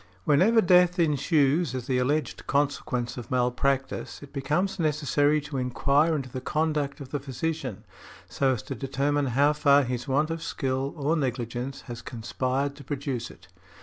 Whenever death ensues as the alleged consequence of malpractice it becomes necessary to inquire into the conduct of the physician, so as to determine how far his want of skill, or negligence, has conspired to produce it.